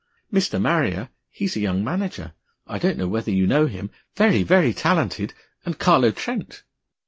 "Mr. Marrier he's a young manager. I don't knew whether you know him; very, very talented. And Carlo Trent."